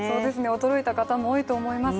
驚いた方も多いと思います。